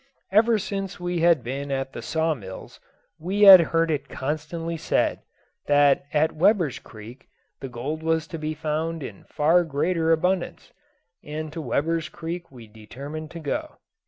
Ever since we had been at the saw mills we had heard it constantly said, that at Weber's Creek the gold was to be found in far greater abundance; and to Weber's Creek we determined to go.